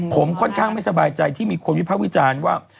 ผมค่อนข้างไม่สบายใจที่มีคนวิภาควิจารณ์ว่า